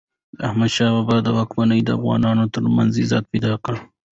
د احمد شاه بابا واکمني د افغانانو ترمنځ عزت پیدا کړ.